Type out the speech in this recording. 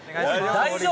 大丈夫？